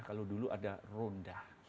kalau dulu ada ronda